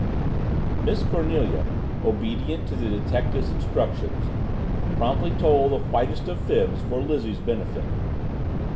Miss Cornelia, obedient to the detective's instructions, promptly told the whitest of fibs for Lizzie's benefit.